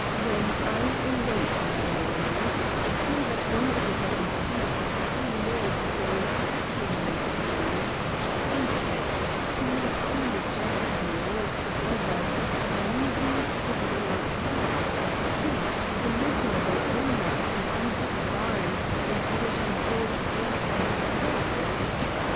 When I awake in the morning I feel that Wondergood has infused ten more de grees of human into me Think of it: He may soon eject me all together and leave me standing outside he, the miserable owner of an empty barn into which I brought breath and soul!